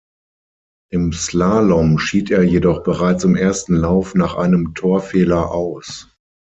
Im Slalom schied er jedoch bereits im ersten Lauf nach einem Torfehler aus.